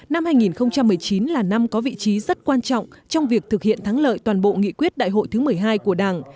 năm hai nghìn một mươi chín là năm có vị trí rất quan trọng trong việc thực hiện thắng lợi toàn bộ nghị quyết đại hội thứ một mươi hai của đảng